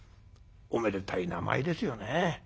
おめでたい名前ですよね。